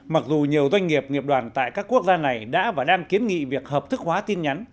mặc dù nhiều doanh nghiệp nghiệp đoàn tại các quốc gia này đã và đang kiến nghị việc hợp thức hóa tin nhắn